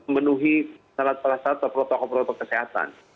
menuhi salat salat atau protokol protokol kesehatan